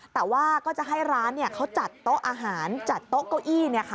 แต่ว่าก็จะให้ร้านเขาจัดโต๊ะอาหารจัดโต๊ะเก้าอี้